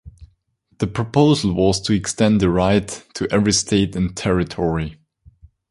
The proposal was to extend the right to every state and territory.